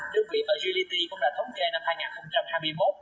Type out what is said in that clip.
đơn vị fragility cũng đã thống kê năm hai nghìn hai mươi một